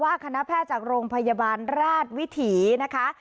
คณะแพทย์จากโรงพยาบาลราชวิถีนะคะ